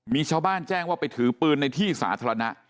มีชาวบ้านแจ้งว่าไปถือปืนในที่สาธารณะ